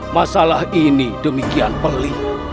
masalah ini demikian pelih